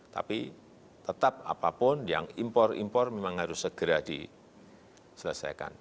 tapi tetap apapun yang impor impor memang harus segera diselesaikan